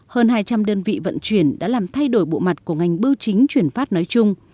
hơn hai trăm linh đơn vị vận chuyển đã làm thay đổi bộ mặt của ngành bưu chính chuyển phát nói chung